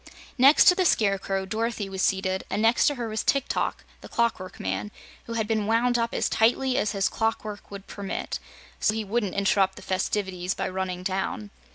Next to the Scarecrow, Dorothy was seated, and next to her was Tik Tok, the Clockwork Man, who had been wound up as tightly as his clockwork would permit, so he wouldn't interrupt the festivities by running down.